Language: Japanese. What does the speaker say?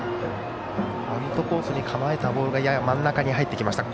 アウトコースに構えたボールがやや真ん中に入りました。